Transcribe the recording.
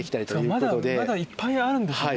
まだいっぱいあるんですね。